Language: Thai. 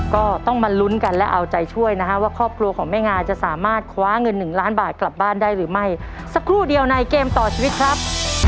ก็ต้องมาลุ้นกันและเอาใจช่วยนะฮะว่าครอบครัวของแม่งาจะสามารถคว้าเงินหนึ่งล้านบาทกลับบ้านได้หรือไม่สักครู่เดียวในเกมต่อชีวิตครับ